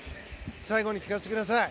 最後に聞かせてください。